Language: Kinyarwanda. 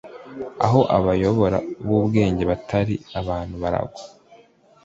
aho abayobora b’ubwenge batari abantu baragwa